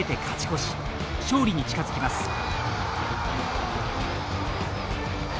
勝利に近づきます。